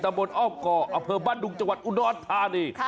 ที่ตะบนอ้อบก่ออเผิดบ้านดุงจังหวัดอุทธอัตภาค